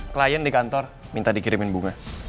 klien di kantor minta dikirimin bunga